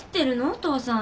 お父さん。